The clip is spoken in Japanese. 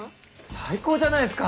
最高じゃないっすか！